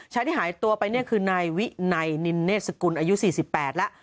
ที่หายตัวไปเนี่ยคือนายวินัยนินเนธสกุลอายุ๔๘แล้ว